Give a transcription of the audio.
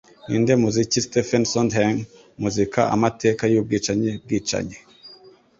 Ninde muziki Stephen Sondheim Muzika Amateka Yubwicanyi Bwicanyi?